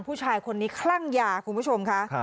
ผู้ชายคนนี้คลั่งยาคุณผู้ชมค่ะ